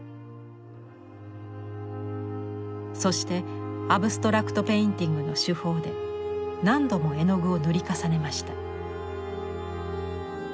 そして「アブストラクト・ペインティング」の手法で何度も絵の具を塗り重ねました。